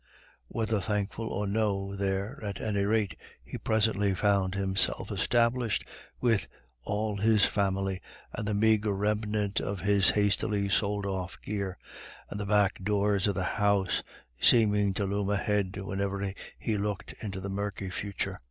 Whether thankful or no, there, at any rate, he presently found himself established with all his family, and the meagre remnant of his hastily sold off gear, and the black doors of the "house" seeming to loom ahead whenever he looked into the murky future.